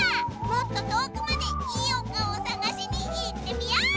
もっととおくまでいいおかおさがしにいってみよう！